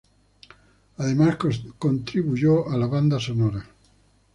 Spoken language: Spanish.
Además contribuyó a la banda sonora.